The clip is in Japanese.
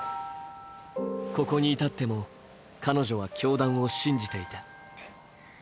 ここに至っても彼女は教団を信じていた。